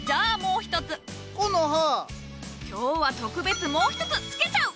今日は特別もう一つつけちゃう！